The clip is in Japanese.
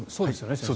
先生。